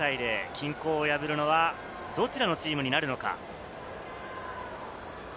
均衡を破るのはどちらのチームになるのか？